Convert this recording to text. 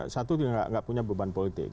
satu nggak punya beban politik